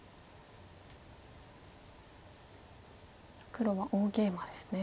黒は大ゲイマですね。